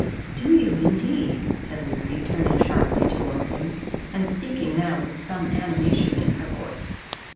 "Do you, indeed?" said Lucy, turning sharply towards him, and speaking now with some animation in her voice.